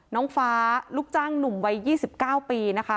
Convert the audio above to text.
น้องฟ้าลูกจ้างหนุ่มวัย๒๙ปีนะคะ